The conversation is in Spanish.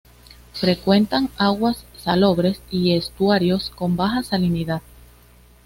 Frecuentan aguas salobres y estuarios, con baja salinidad.